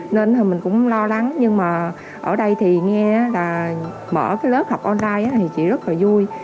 nên thì mình cũng lo lắng nhưng mà ở đây thì nghe là mở cái lớp học online thì chị rất là vui